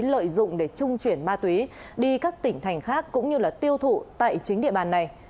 lợi dụng để trung chuyển ma túy đi các tỉnh thành khác cũng như tiêu thụ tại chính địa bàn này